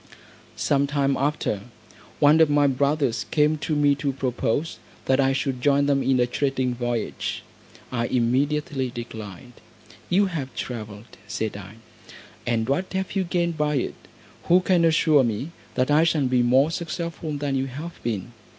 Some time after, one of my brothers came to me to propose that I should join them in a trading voyage; I immediately declined. "You have travelled," said I, "and what have you gained by it? Who can assure me, that I shall be more successful than you have been?"